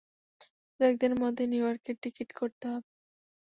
দু-এক দিনের মধ্যেই নিউ ইয়র্কের টিকিট করতে হবে।